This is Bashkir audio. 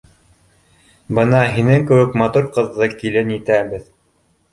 — Бына һинең кеүек матур ҡыҙҙы килен итәбеҙ